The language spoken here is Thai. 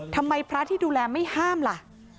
ทำไมพระที่ดูแลไม่ห้ามล่ะ